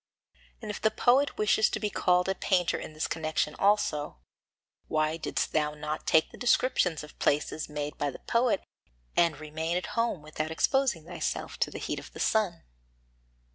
And if the poet wishes to be called a painter in this connection also, why didst thou not take the descriptions of places made by the poet and remain at home without exposing thyself to the heat of the sun?